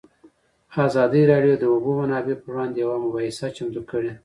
ازادي راډیو د د اوبو منابع پر وړاندې یوه مباحثه چمتو کړې.